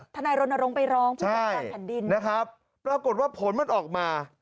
ธนายรณรงค์ไปร้องใช่แผ่นดินนะครับปรากฏว่าผลมันออกมา